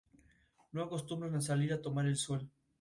Cada festividad se celebra con misa el día en cada iglesia y capilla.